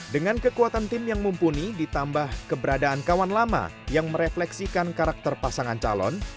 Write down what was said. dengan kekuatan tim yang mumpuni ditambah keberadaan kawan lama yang merefleksikan karakter pasangan calon